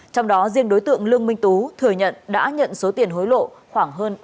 trong đó riêng đối tượng lương minh tú thừa nhận đã nhận số tiền hối lộ khoảng hơn ba tỷ đồng